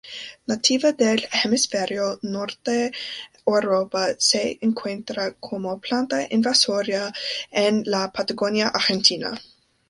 Nativa del hemisferio norte Europa, se encuentra como planta invasora en la Patagonia Argentina.